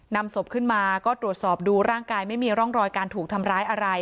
นำศพขึ้นมาก็ตรวจสอบดูร่างกายไม่มีร่องรอยการถูกทำร้ายอะไร